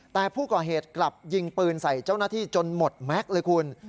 แต่ผู้ก่อเหตุกลับยิงปืนใส่เจ้าหน้าที่จนหมดแม็กซ์เลยคุณ